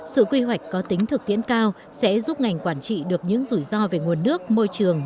sự quy hoạch có tính thực tiễn cao sẽ giúp ngành quản trị được những rủi ro về nguồn nước môi trường